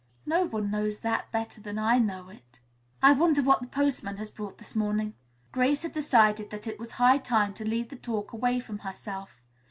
"No one knows that better than I know it." "I wonder what the postman has brought us this morning?" Grace had decided that it was high time to lead the talk away from herself.